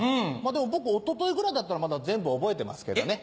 でも僕一昨日ぐらいだったらまだ全部覚えてますけどね。